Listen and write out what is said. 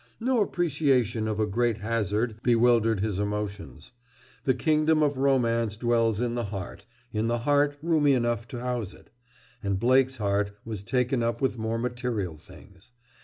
No appreciation of a great hazard bewildered his emotions. The kingdom of romance dwells in the heart, in the heart roomy enough to house it. And Blake's heart was taken up with more material things.